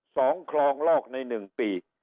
คลองลอกในหนึ่งปี